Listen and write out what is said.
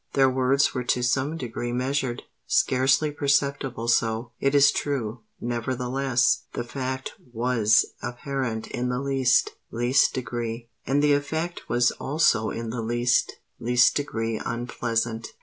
Their words were to some degree measured—scarcely perceptibly so, it is true—nevertheless, the fact was apparent in the least, least degree; and the effect was also in the least, least degree unpleasant.